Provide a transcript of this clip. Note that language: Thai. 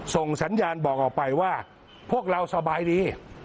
ส่งสัญญาณบอกออกไปว่าพวกเราสบายดี